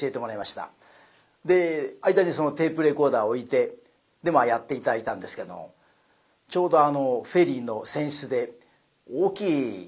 で間にテープレコーダーを置いてでまあやって頂いたんですけどちょうどフェリーの船室で大きいテレビがありました。